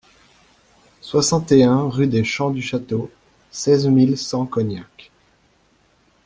soixante et un rue des Champs du Château, seize mille cent Cognac